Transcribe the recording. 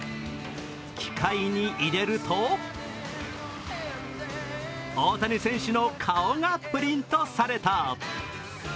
機械に入れると大谷選手の顔がプリントされた。